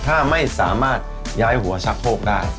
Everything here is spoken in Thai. ถ้าไม่สามารถย้ายหัวชักโคกได้